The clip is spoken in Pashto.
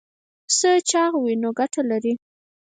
پسه چاغ وي نو ګټه لري.